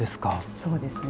そうですね。